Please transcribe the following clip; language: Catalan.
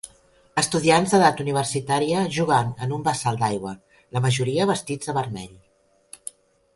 estudiants d'edat universitària jugant en un bassal d'aigua, la majoria vestits de vermell.